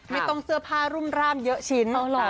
ไม่ต้องเสื้อผ้ารุ่มร่ามเยอะชิ้น